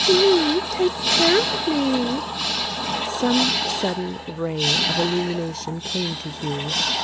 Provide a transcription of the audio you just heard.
"Hughie, take care of me !" Some sudden ray of illumination came to Hugh.